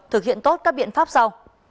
thực hiện tốt các biện pháp sau